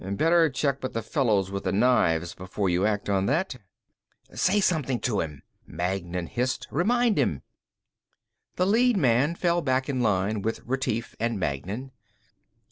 "Better check with the fellows with the knives before you act on that." "Say something to him," Magnan hissed, "Remind him." The lead man fell back in line with Retief and Magnan.